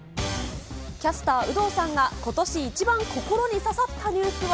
キャスター、有働さんが、ことし一番心に刺さったニュースは？